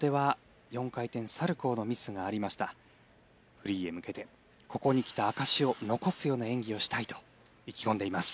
フリーへ向けてここに来た証しを残すような演技をしたいと意気込んでいます。